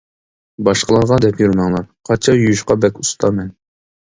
باشقىلارغا دەپ يۈرمەڭلار، قاچا يۇيۇشقا بەك ئۇستا مەن.